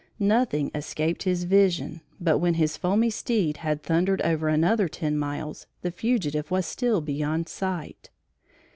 Nothing escaped his vision, but when his foamy steed had thundered over another ten miles the fugitive was still beyond sight.